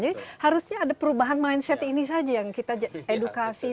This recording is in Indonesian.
jadi harusnya ada perubahan mindset ini saja yang kita edukasi